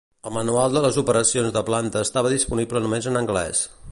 El manual de les operacions de planta estava disponible només en anglès.